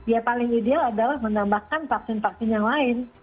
ya paling ideal adalah menambahkan vaksin vaksin yang lain